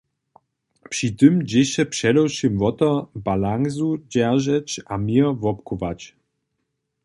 Při tym dźěše předewšěm wo to, balansu dźeržeć a měr wobchować.